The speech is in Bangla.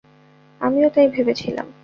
আমিও তাই ভেবেছিলাম।